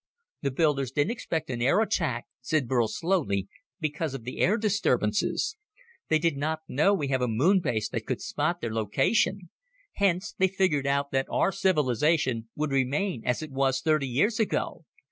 "The builders didn't expect an air attack," said Burl slowly, "because of the air disturbances. They did not know we would have a Moon base that could spot their location. Hence they figured that our civilization would remain as it was thirty years ago.